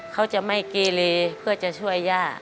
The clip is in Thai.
เขาจะไม่เกเลเพื่อจะช่วยย่า